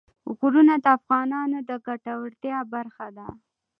غرونه د افغانانو د ګټورتیا برخه ده.